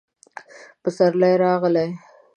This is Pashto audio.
پسرلی راغلی